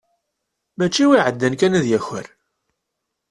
Mačči win iɛeddan kan ad yaker.